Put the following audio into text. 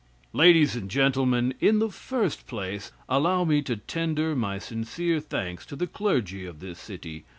Ladies and Gentlemen: In the first place, allow me to tender my sincere thanks to the clergy of this city.